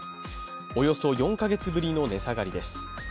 およそ４か月ぶりの値下がりです。